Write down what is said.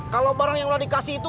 kalau barang yang sudah dikasih itu